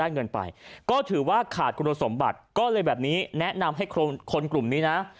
เงินไปก็ถือว่าขาดคุณสมบัติก็เลยแบบนี้แนะนำให้คนกลุ่มนี้นะ